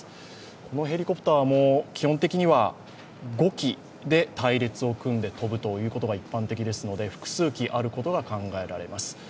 このヘリコプターも基本的には５機で隊列を組んで飛ぶということが一般的ですので、複数機あることが考えられます。